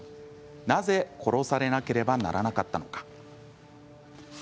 なぜ、殺されなければならなかったのか。